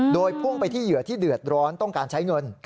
โดยพุ่งไปที่เหยื่อที่เดือดร้อนต้องการใช้เงิน